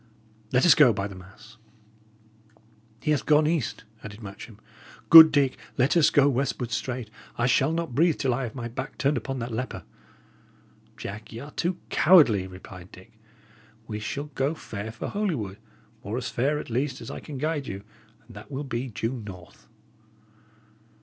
Let us go, by the mass!" "He hath gone east," added Matcham. "Good Dick, let us go westward straight; I shall not breathe till I have my back turned upon that leper." "Jack, y' are too cowardly," replied Dick. "We shall go fair for Holywood, or as fair, at least, as I can guide you, and that will be due north."